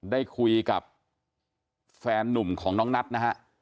ได้คุยกับแฟนนุ่มของน้องนัทนะฮะ